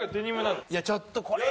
いやちょっとこれ。